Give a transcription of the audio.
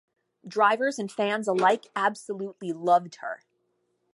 Drivers and fans alike absolutely loved her.